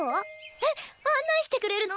えっ案内してくれるの？